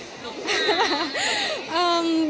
ธรรมชาติมั้ยครับ